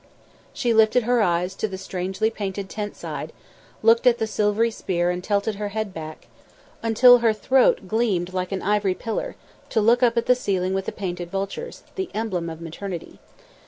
She lifted her eyes to the strangely painted tent side, looked at the silvery spear and tilted her head back until her throat gleamed like an ivory pillar, to look up at the ceiling with the painted vultures the emblem of maternity.